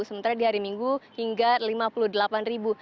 sementara di hari minggu hingga lima puluh delapan ribu